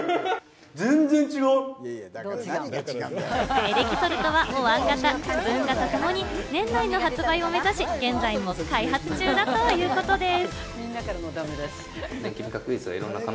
エレキソルトはお椀型、スプーン型ともに年内の発売を目指し、現在も開発中だということです。